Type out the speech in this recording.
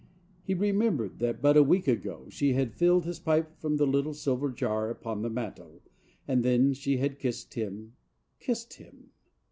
He remembered that but a week ago she had filled his pipe from the little silver jar upon the mantel, and then she had kissed him —kissed him!